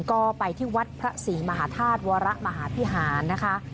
ก็ไปที่วัดพระศรีมหาธาตุวรมหาพิหารนะคะ